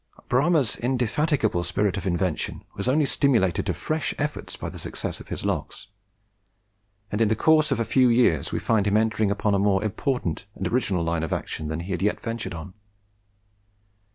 Bramah's indefatigable spirit of invention was only stimulated to fresh efforts by the success of his lock; and in the course of a few years we find him entering upon a more important and original line of action than he had yet ventured on.